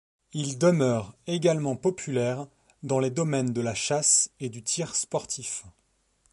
Il demeure également populaire dans les domaines de la chasse et du tir sportif.